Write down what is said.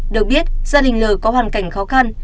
được biết gia đình l có hoàn cảnh khó khăn